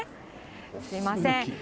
すみません。